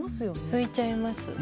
拭いちゃいます。